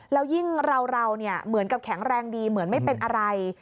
แล้วยิ่งเราเหมือนกับแข็งแรงดีเหมือนไม่เป็นอะไร